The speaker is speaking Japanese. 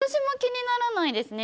私も気にならないですね。